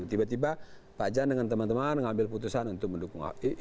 tiba tiba pak jan dengan teman teman mengambil putusan untuk mendukung ahok